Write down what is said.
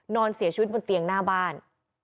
นอนเสียชีวิตบนเตียงหน้าบ้าน